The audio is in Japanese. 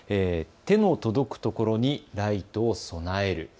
手の届くところにライトを備える。